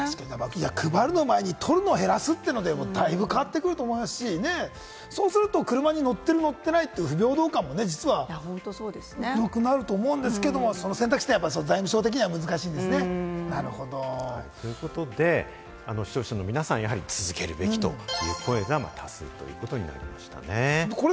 配る前に取るのを減らすというのもだいぶ変わってくると思いますし、そうすると車に乗っている乗っていないという不平等感もよくなると思うんですけれども、その選択肢は財務省的には難しいんですね。ということで、視聴者の皆さん、やはり続けるべきという声が多数ということになりましたね。